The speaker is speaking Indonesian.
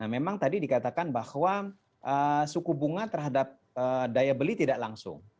memang tadi dikatakan bahwa suku bunga terhadap daya beli tidak langsung